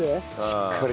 しっかり。